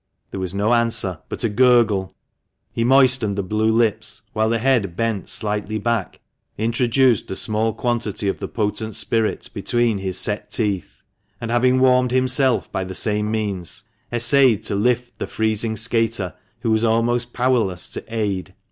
There was no answer, but a gurgle. 278 THE MANCHESTER MAN. He moistened the blue lips, while the head bent slightly back, introduced a small quantity of the potent spirit between his set teeth ; and, having warmed himself by the same means, essayed to lift the freezing skater, who was almost powerless to aid.